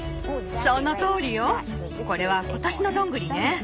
そのとおりよ。これは今年のドングリね。